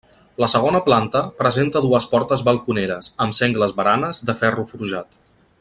La segona planta presenta dues portes balconeres, amb sengles baranes de ferro forjat.